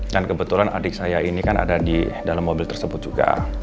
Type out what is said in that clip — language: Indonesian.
dan kebetulan adik saya ini kan ada di dalam mobil tersebut juga